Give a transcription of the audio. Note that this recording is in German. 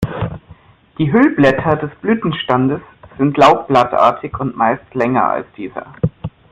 Die Hüllblätter des Blütenstandes sind laubblattartig und meist länger als dieser.